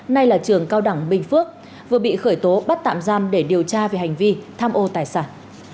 nay là trường cao đẳng bình phước vừa bị khởi tố bắt tạm giam để điều tra về hành vi tham ô tài sản